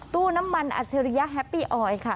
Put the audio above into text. ตู้น้ำมันอัจฉริยะแฮปปี้ออยค่ะ